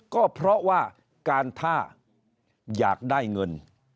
ก็เพราะว่าการถ้าอยากได้เงิน